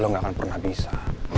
lo gak akan pernah bisa